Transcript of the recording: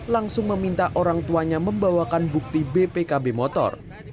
langsung meminta orang tuanya membawakan bukti bpkb motor